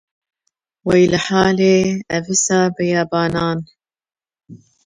Wey li halê avisê beyabanan.